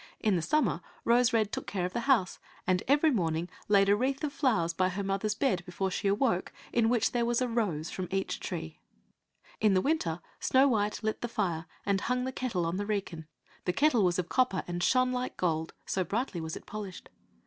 In the summer Rose red took care of the house, and every morning laid a wreath of flowers by her mother's bed before she awoke, in which was a rose from each tree. In the winter Snow white lit the fire and hung the kettle on the wrekin. The kettle was of copper and shone like gold, so brightly was it polished.